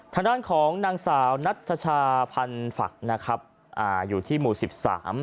ทางด้านของนางสาวนัทชาพันธ์ฝักนะครับอ่าอยู่ที่หมู่สิบสาม